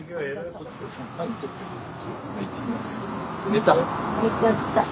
寝ちゃった。